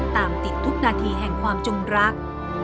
ตามติดทุกนาทีแห่งความจงรัก